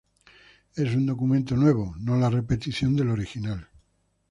Es un documento nuevo, no la repetición del original.